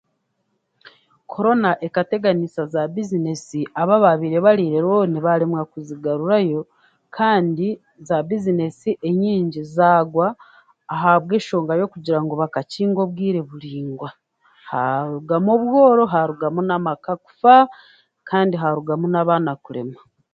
Korona ekateganiisa za bizinesi abo abaabaire bariire za rooni baremwe kuzigaruzayo kandi za bizinesi ezindi zagwa ahabwenshonga y'okugira ngu bakakinga kumara obwire buraingwa harugamu obworo harugamu n'amaka kufa kandi harugamu n'amaka kuremwa